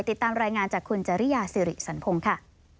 ติดตามรายงานจากคุณจริยาสิริสันพงศ์ค่ะ